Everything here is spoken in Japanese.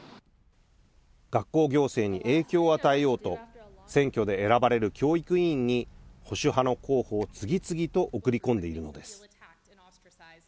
学校行政に影響を与えようと選挙で選ばれる教育委員に保守派の候補を次々と送り込んでいるのです。